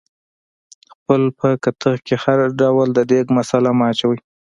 خپل په کتغ کې هر ډول د دیګ مثاله مه اچوئ